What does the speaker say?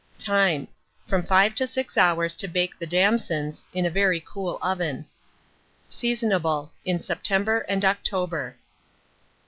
Time. From 5 to 6 hours to bake the damsons, in a very cool oven. Seasonable in September and October.